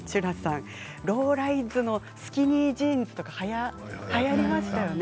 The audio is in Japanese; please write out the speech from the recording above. ローライズのスキニージーンズがはやりましたよね。